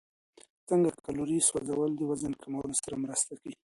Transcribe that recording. څنګه کالوري سوځول د وزن کمولو سره مرسته کوي؟